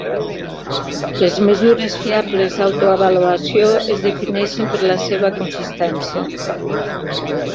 Les mesures fiables d'autoavaluació es defineixen per la seva consistència.